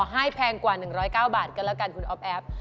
แพงกว่า๑๐๙บาทกันแล้วกันคุณอ๊อฟแอฟ